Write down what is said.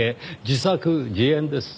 自作自演です。